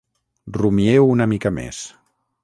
Rumieu una mica més”.